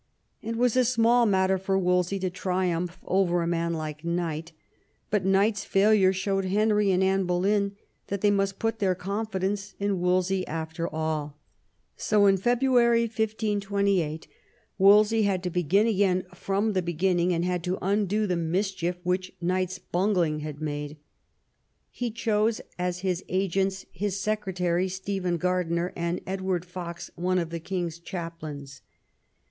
It was a small matter for Wolsey to triumph over a man like Knight ; but Knight's failure showed Henry and Anne Boleyn that they must put their confidence in Wolsey after all. So in February 1528 Wolsey had to begin again from the beginning, and had to undo the mischief which Knight's bungling had made. He chose as his agents his secretary, Stephen Gardiner, and Edward Foxe, one of the king's chaplains.